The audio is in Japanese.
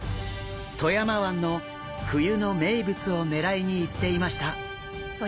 富山湾の冬の名物を狙いに行っていました。